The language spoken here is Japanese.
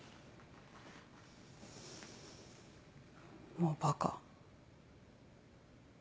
もうバカ。